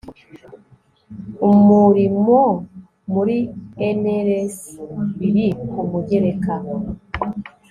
umurimo muri NRS biri ku mugereka